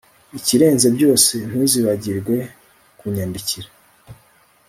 Ikirenze byose ntuzibagirwe kunyandikira